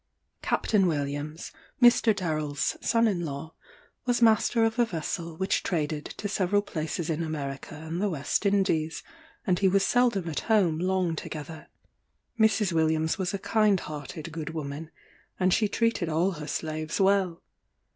Captain Williams, Mr. Darrel's son in law, was master of a vessel which traded to several places in America and the West Indies, and he was seldom at home long together. Mrs. Williams was a kind hearted good woman, and she treated all her slaves well.